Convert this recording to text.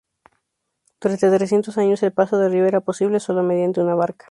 Durante trescientos años, el paso del río era posible sólo mediante una barca.